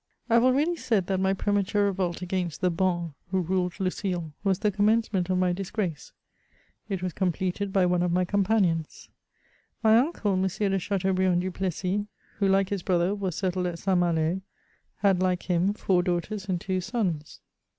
I HAVE already said that my premature reyolt against the bonnes who ruled Lucile, was the commencement of my disgrace ; it was completed hy one of my companions. My uncle, M. de Chateaubriand du Plessis, who, like his brother, was settled at St Malo, had, like him, four daughters and two sons.